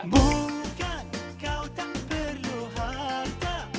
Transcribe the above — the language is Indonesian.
bukan kau tak perlu harta